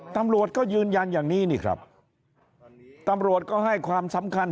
ตำรวจก็ยืนยันอย่างนี้นี่ครับตำรวจก็ให้ความสำคัญ